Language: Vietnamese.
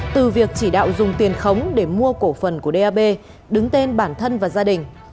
từ việc chỉ đạo dùng tiền khống để mua cổ phần của dap đứng tên bản thân và gia đình